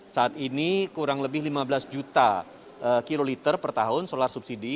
saat ini kurang lebih lima belas juta kiloliter per tahun solar subsidi